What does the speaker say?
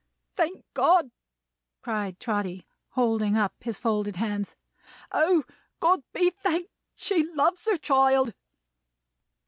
"Thank God!" cried Trotty, holding up his folded hands. "O, God be thanked! She loves her child!"